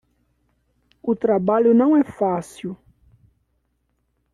O trabalho não é fácil